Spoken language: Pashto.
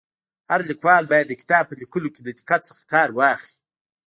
هر لیکوال باید د کتاب په ليکلو کي د دقت څخه کار واخلي.